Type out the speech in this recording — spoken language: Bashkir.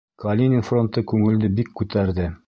Калинин фронты күңелде бик күтәрҙе.